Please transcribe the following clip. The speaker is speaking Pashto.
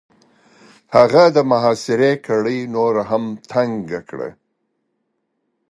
هغه د محاصرې کړۍ نوره هم تنګ کړه.